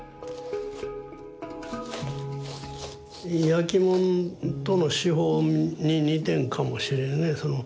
焼きもんとの手法に似てるんかもしれんね。